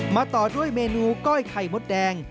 ต่อด้วยเมนูก้อยไข่มดแดง